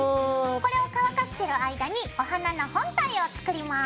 これを乾かしてる間にお花の本体を作ります。